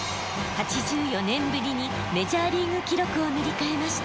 ８４年ぶりにメジャーリーグ記録を塗り替えました。